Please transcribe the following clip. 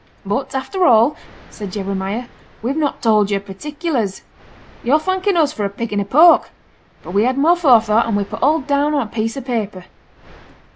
'But, after all,' said Jeremiah, 'we've not told you particulars. Yo're thanking us for a pig in a poke; but we had more forethought, and we put all down on a piece o' paper.'